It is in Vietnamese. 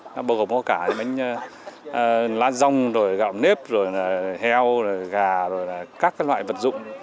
nó bao gồm có cả lá rong gạo nếp heo gà các loại vật dụng